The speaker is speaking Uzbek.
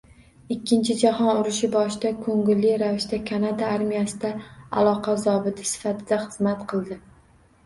Ikkinchi jahon urushi boshida ko‘ngilli ravishda Kanada armiyasida aloqa zobiti sifatida xizmat qildi